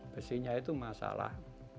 besinya itu masalah